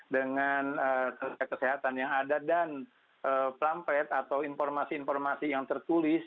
dengan tenaga kesehatan yang ada dan plampet atau informasi informasi yang tertulis